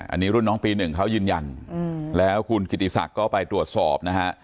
อันนี้รุ่นน้องปี๑เขายืนยันแล้วคุณกิติศักดิ์ก็ไปตรวจสอบนะฮะ